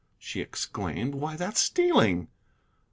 she exclaimed; "why, that's stealing!"